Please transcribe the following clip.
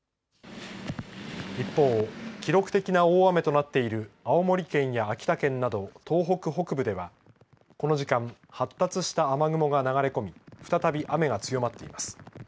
一方、記録的な大雨となっている青森県や秋田県など東北北部ではこの時間発達した雨雲が流れ込み再び雨が強まっています。